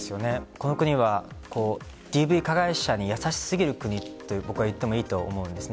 この国はＤＶ加害者に優しすぎる国と僕は言ってもいいと思うんです。